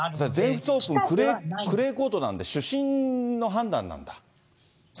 全仏オープン、クレーコートなんで、主審の判断なんだ。